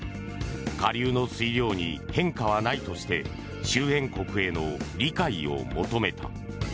下流の水量に変化はないとして周辺国への理解を求めた。